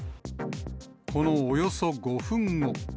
このおよそ５分後。